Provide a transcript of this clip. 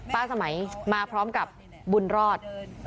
สมัยมาพร้อมกับบุญรอด